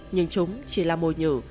nhưng chúng chỉ là mồi nhử